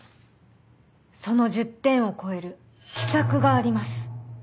その１０点を超える秘策があります。